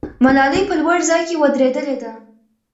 ملالۍ په لوړ ځای کې ودرېدلې ده.